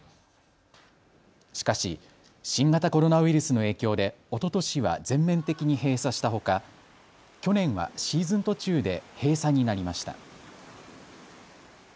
しかし新型コロナウイルスの影響で、おととしは全面的に閉鎖したほか去年はシーズン途中で閉鎖になりました。